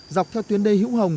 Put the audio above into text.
dọc theo tuyến đê hữu hồng